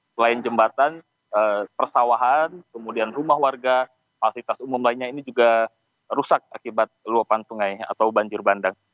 selain jembatan persawahan kemudian rumah warga fasilitas umum lainnya ini juga rusak akibat luapan sungai atau banjir bandang